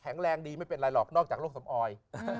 แรงดีไม่เป็นไรหรอกนอกจากโรคสำออย